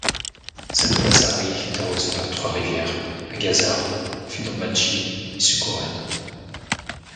Şalpazarı est arrosé par trois rivières, Ağasar, Fidanbaşı et Sugören.